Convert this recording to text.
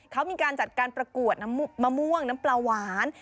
เขามีการจัดการประกวดน้ำมะม่วงน้ำปลาหวาน